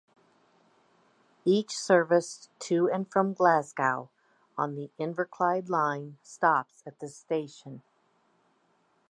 Each service to and from Glasgow on the Inverclyde Line stops at this station.